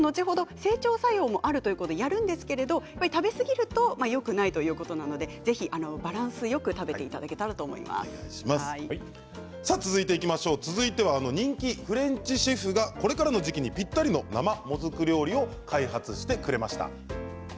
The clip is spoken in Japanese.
整腸作用もあるということでやるんですけれども食べ過ぎるとよくないということなので、ぜひバランスよく食べて続いてはあの人気フレンチシェフがこれからの時期にぴったりの生もずく料理を開発してくれました。